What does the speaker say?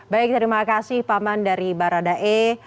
baik terima kasih pak man dari barada e